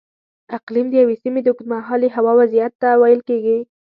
اقلیم د یوې سیمې د اوږدمهالې هوا وضعیت ته ویل کېږي.